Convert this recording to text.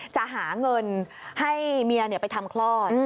จะหาเงินให้เมียไปทำคลอด